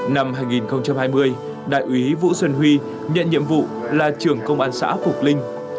năm hai nghìn hai mươi đại úy vũ xuân huy nhận nhiệm vụ là trưởng công an xã phục linh